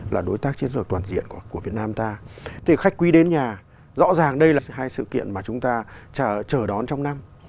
kể cả bây giờ toàn diện của việt nam ta thì khách quý đến nhà rõ ràng đây là hai sự kiện mà chúng ta chờ đón trong năm